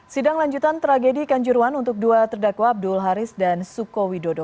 sidang lanjutan tragedi kanjuruan untuk dua terdakwa abdul haris dan suko widodo